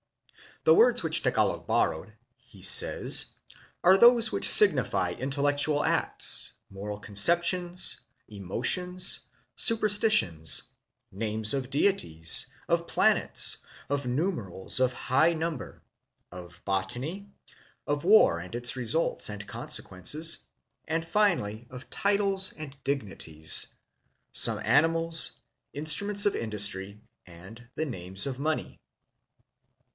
"The words which Tagalog borrowed," he says, " are those which signify intellectual acts, moral conceptions, emotions, su perstitions, names of deities, of planets, of numerals of high number, of botany, of war and its results and conse quences, and finally of titles and dignities, some animals, instruments of industry, and the names of money."